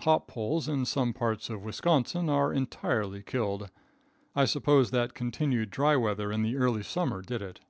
Hop poles in some parts of Wisconsin are entirely killed. I suppose that continued dry weather in the early summer did it.